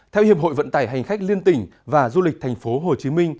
theo hiệp hội vận tải hành khách liên tỉnh và du lịch tp hcm